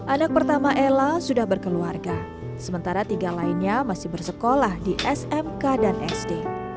anak pertama ella sudah berkeluarga sementara tiga lainnya masih bersekolah di smk dan sd